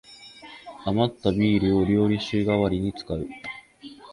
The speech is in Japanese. あまったビールを料理酒がわりに使う